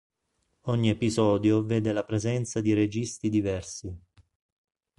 Ogni episodio vede la presenza di registi diversi.